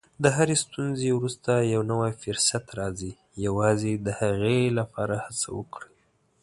د هرې ستونزې وروسته یو نوی فرصت راځي، یوازې د هغې لپاره هڅه وکړئ.